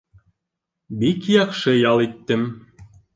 Бик яҡшы ял иттем.